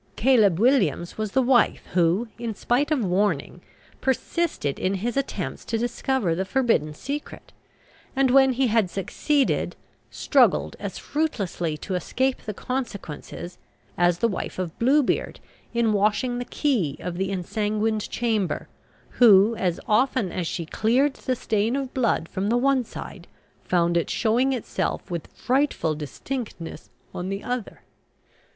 Caleb Williams was the wife who, in spite of warning, persisted in his attempts to discover the forbidden secret; and, when he had succeeded, struggled as fruitlessly to escape the consequences, as the wife of Bluebeard in washing the key of the ensanguined chamber, who, as often as she cleared the stain of blood from the one side, found it showing itself with frightful distinctness on the other.